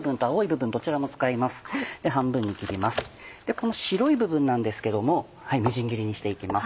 この白い部分なんですけどもみじん切りにして行きます。